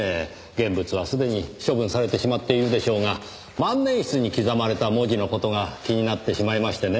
現物はすでに処分されてしまっているでしょうが万年筆に刻まれた文字の事が気になってしまいましてね